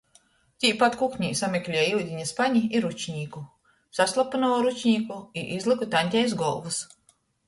Tīpat kuknē sameklēju iudiņa spani i rūcinīku. Saslapynoju rūcinīku i izlīku taņtei iz golvys.